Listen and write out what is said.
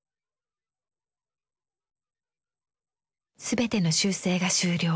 全ての修正が終了。